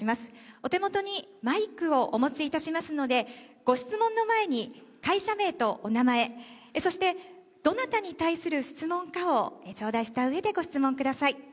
お手元にマイクをお持ちいたしますので、ご質問の前に会社名とお名前、どなたに対する質問かをちょうだいしたうえでご質問ください。